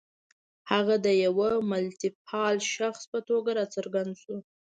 هغه د یوه ملتپال شخص په توګه را څرګند شو.